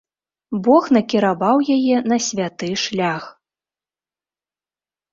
Бог накіраваў яе на святы шлях.